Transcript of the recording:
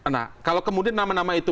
nah kalau kemudian nama nama itu